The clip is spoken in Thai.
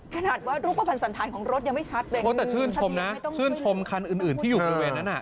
ขนาดว่ารูปภัณฑ์สันธารของรถยังไม่ชัดเลยนะมดแต่ชื่นชมนะชื่นชมคันอื่นอื่นที่อยู่บริเวณนั้นอ่ะ